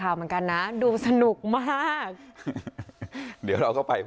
สามารถมาเล่นน้ำได้ในวันพรุ่งนี้อีกหนึ่งวันเป็นวันสุดท้ายที่ตลาดเจ้าพมแห่งนี้ค่ะ